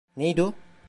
Neydi o?